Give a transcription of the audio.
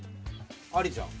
ありじゃん。